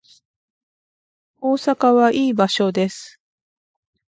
大阪はいい場所です